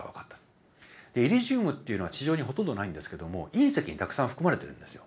イリジウムっていうのは地上にほとんどないんですけども隕石にたくさん含まれてるんですよ。